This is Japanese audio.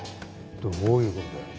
どういうことだよ。